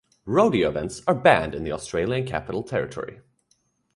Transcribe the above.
Rodeo events are banned in the Australian Capital Territory.